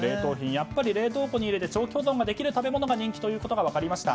やっぱり冷凍庫に入れて長期保存ができる食べ物が人気ということが分かりました。